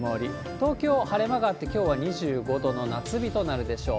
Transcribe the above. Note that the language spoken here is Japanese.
東京、晴れ間があってきょうは２５度の夏日となるでしょう。